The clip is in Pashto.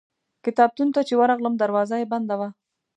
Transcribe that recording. کتابتون ته چې ورغلم دروازه یې بنده وه.